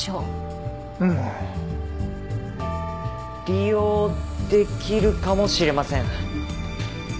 利用できるかもしれません。